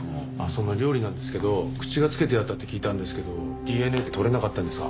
その料理なんですけど口がつけてあったって聞いたんですけどＤＮＡって採れなかったんですか？